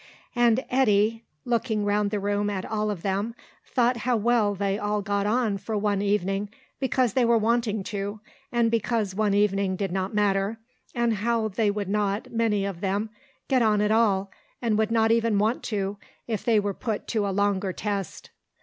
And Eddy, looking round the room at all of them, thought how well they all got on for one evening, because they were wanting to, and because one evening did not matter, and how they would not, many of them, get on at all, and would not even want to, if they were put to a longer test.